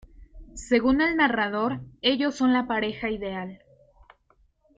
Según el narrador, ellos son la pareja ideal.